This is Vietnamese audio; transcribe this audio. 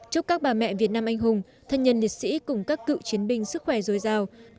chúc các bà mẹ việt nam anh hùng thân nhân liệt sĩ cùng các cựu chiến binh sức khỏe dồi dào